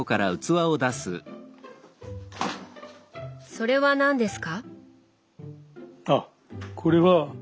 それは何ですか？